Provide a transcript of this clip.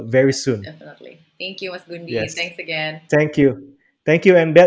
terima kasih mas gundi terima kasih sekali lagi